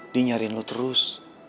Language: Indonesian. dia nyariin lo terus